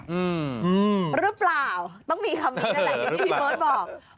หรือเปล่าต้องมีคำนี้แหละพี่เบิ้ลบอก